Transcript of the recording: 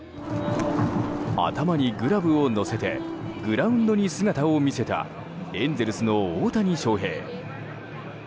頭にグラブを乗せてグラウンドに姿を見せたエンゼルスの大谷翔平。